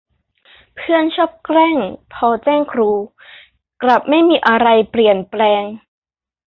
เพื่อนชอบแกล้งพอแจ้งครู กลับไม่มีอะไรเปลี่ยนแปลง